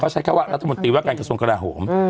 ใช้แค่ว่ารัฐมนตรีว่าการกระทรวงกราโหม